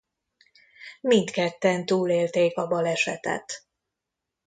Mindketten túlélték a balesetet.